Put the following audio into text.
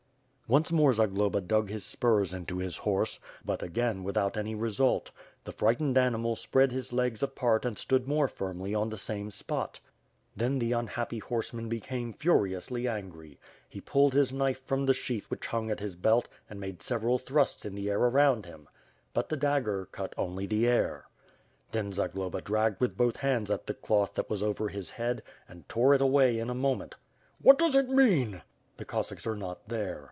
Once more Zagloba dug his spurs into his horse, but again without any result. The frightened animal spread his legs apart and stood more firmly on the same spot. Then the unhappy horseman become furiously angry. He pulled his knife from the sheath which hung at his belt and made several thrusts in the air around him. But the dagger cut only the air. Then Zagloba dragged with both hands at the cloth that was over his head, and tore it away in a moment. "What does it mean?" The Cossacks are not there.